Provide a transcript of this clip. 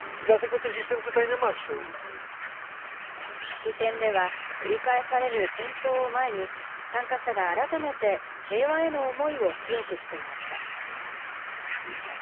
式典では、繰り返される戦争を前に、参加者が改めて平和への思いを強くしていました。